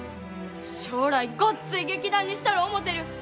将来ごっつい劇団にしたろ思うてる。